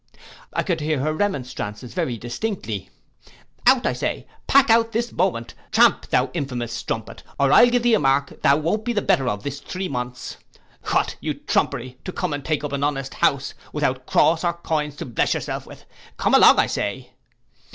I could hear her remonstrances very distinctly: 'Out I say, pack out this moment, tramp thou infamous strumpet, or I'll give thee a mark thou won't be the better for this three months. What! you trumpery, to come and take up an honest house, without cross or coin to bless yourself with; come along I say.